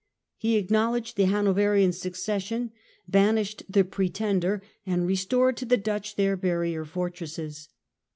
He acknowledged the Hanoverian succes sion, banished the Pretender, and restored to the Dutch their barrier fortresses.